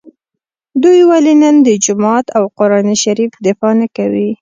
دوی ولي نن د جومات او قران شریف دفاع نکوي